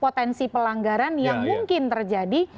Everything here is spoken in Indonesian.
potensi pelanggaran yang mungkin terjadi